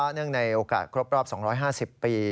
เนื่องในโอกาสครบรอบ๒๕๐ปี